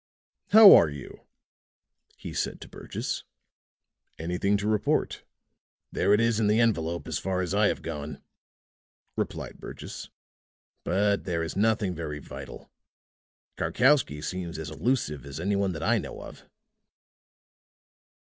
"How are you?" he said to Burgess. "Anything to report?" "There it is in the envelope, as far as I have gone," replied Burgess. "But there is nothing very vital. Karkowsky seems as elusive as any one that I know of."